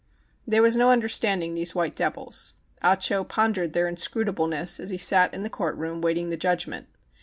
There was no understanding these white devils. Ah Cho pondered their inscrutableness as he sat in the court room waiting the judgment.